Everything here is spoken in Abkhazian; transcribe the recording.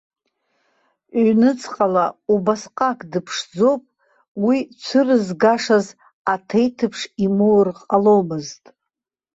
Ҩныҵҟала убасҟак дыԥшӡоуп, уи цәырызгашаз аҭеҭԥш имоур ҟаломызт.